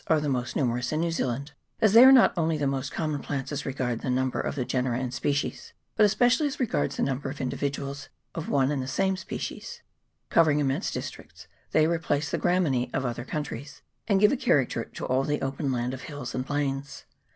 are the most numerous in New Zealand, as they are not only the most common plants as regards the number of the genera and species, but especially as regards the number of indi viduals of one and the same species : covering immense districts, they replace the Gramineee of other countries, and give a character to all the open land of hills and plains.